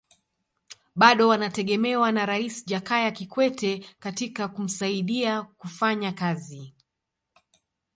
Bado wanategemewa na Rais Jakaya Kikwete katika kumsaidia kufanya kazi